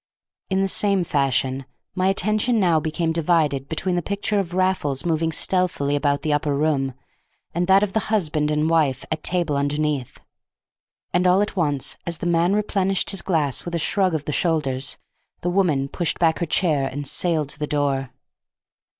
In the same fashion my attention now became divided between the picture of Raffles moving stealthily about the upper room, and that of the husband and wife at table underneath. And all at once, as the man replenished his glass with a shrug of the shoulders, the woman pushed back her chair and sailed to the door.